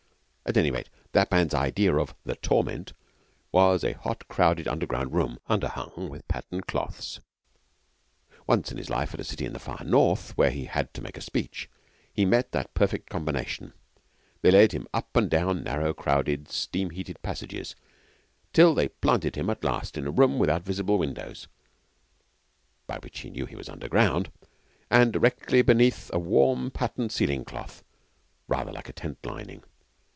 At any rate, that man's idea of The Torment was a hot, crowded underground room, underhung with patterned cloths. Once in his life at a city in the far north, where he had to make a speech, he met that perfect combination. They led him up and down narrow, crowded, steam heated passages, till they planted him at last in a room without visible windows (by which he knew he was, underground), and directly beneath a warm patterned ceiling cloth rather like a tent lining.